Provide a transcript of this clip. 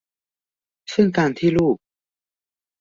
ซึ่งการที่ลูก